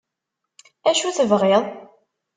Acu tebɣiḍ?